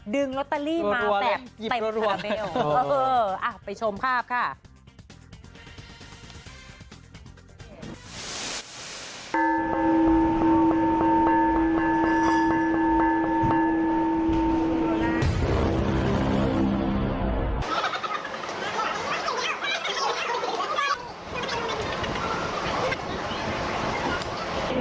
ดึงโรตเตอรี่มาแบบแบบฮาราเบล